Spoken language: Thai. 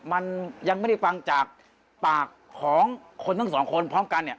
มันยังไม่ได้ฟังจากปากของคนทั้งสองคนพร้อมกันเนี่ย